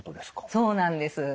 そうなんです。